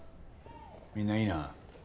みんないいな。